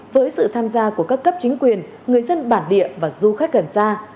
với sự tham gia của các cấp chính quyền người dân bản địa và du khách gần xa